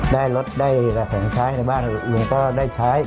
ได้รถได้บ้านอยู่นี่ผมก็ได้ใช้